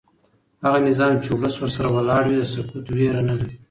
هغه نظام چې ولس ورسره ولاړ وي د سقوط ویره نه لري